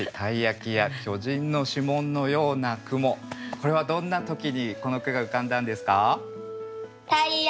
これはどんな時にこの句が浮かんだんですか？